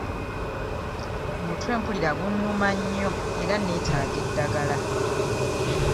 Omutwe mpulira gunnuma nnyo era neetaga eddagala.